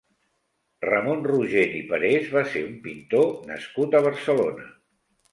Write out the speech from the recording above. Ramon Rogent i Perés va ser un pintor nascut a Barcelona.